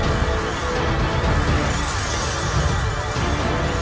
hancurkan kepala pajajaran